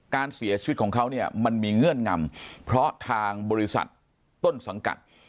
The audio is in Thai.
การเสียชีวิตของเขาเนี่ยมันมีเงื่อนงำเพราะทางบริษัทต้นสังกัด